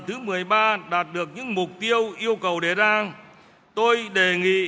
thứ một mươi ba đạt được những mục tiêu yêu cầu đề ra tôi đề nghị